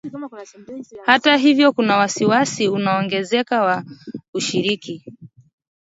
Hata hivyo kuna wasiwasi unaoongezeka wa ushiriki